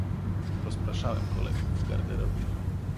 Rozpraszałem kolegów w garderobie.